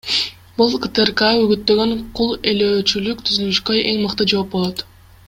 Бул КТРК үгүттөгөн кул ээлөөчүлүк түзүлүшкө эң мыкты жооп болот.